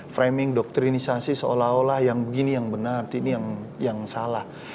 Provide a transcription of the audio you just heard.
framing doktrinisasi seolah olah yang begini yang benar ini yang salah